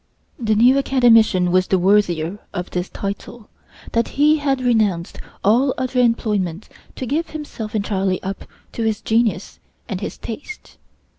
The new Academician was the worthier of this title, that he had renounced all other employments to give himself entirely up to his genius and his taste.